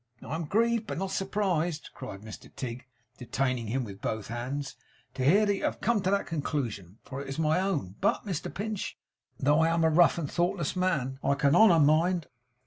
'I am grieved but not surprised,' cried Mr Tigg, detaining him with both hands, 'to hear that you have come to that conclusion; for it is my own. But, Mr Pinch, though I am a rough and thoughtless man, I can honour Mind.